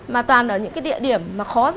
mà toàn ở những cái địa điểm mà khó